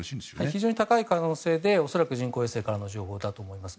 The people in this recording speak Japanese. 非常に高い可能性で恐らく人工衛星からの情報だと思います。